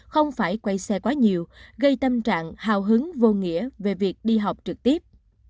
không phải quay xe quá nhiều gây tâm trạng hào hứng vô nghĩa về việc đi học trực tiếp